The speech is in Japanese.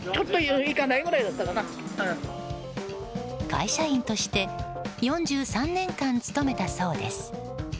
会社員として４３年間勤めたそうです。